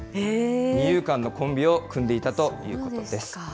二遊間のコンビを組んでいたということです。